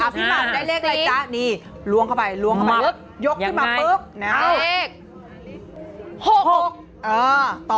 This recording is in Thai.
พี่หม่ำได้เลขอะไรจ๊ะนี่ลวงเข้าไปลวงเข้าไปยกขึ้นมาปุ๊บ